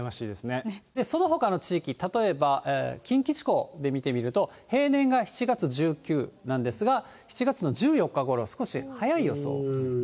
そのほかの地域、例えば近畿地方で見てみると、平年が７月１９なんですが、７月の１４日ごろ、少し早い予想です。